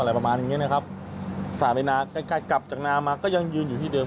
อะไรประมาณอย่างเงี้ยนะครับกลับจากนามาก็ยังยืนอยู่ที่เดิม